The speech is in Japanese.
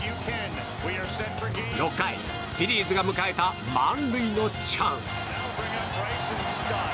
６回、フィリーズが迎えた満塁のチャンス。